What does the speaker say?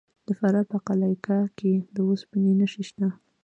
د فراه په قلعه کاه کې د وسپنې نښې شته.